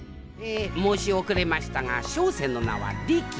え申し遅れましたが小生の名はリキ。